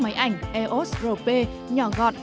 máy ảnh eos ba p nhỏ gọn